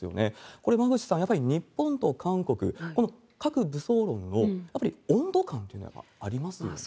これ、馬渕さん、やっぱり日本と韓国、この核武装論の、やっぱり温度感というのはありますよね？